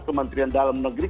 kementerian dalam negeri